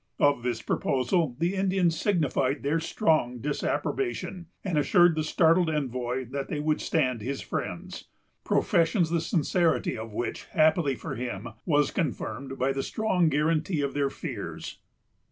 Of this proposal the Indians signified their strong disapprobation, and assured the startled envoy that they would stand his friends,——professions the sincerity of which, happily for him, was confirmed by the strong guaranty of their fears.